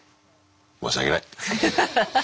申し訳ない。